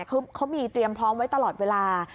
เขามีเตรียมพร้อมไว้ตลอดเวลา